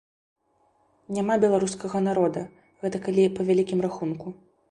Няма беларускага народа, гэта калі па вялікім рахунку.